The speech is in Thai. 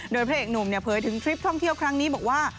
โดยพระเอกหนุ่มเผยถึงทริปท่องเที่ยวครั้งนี้บอกว่า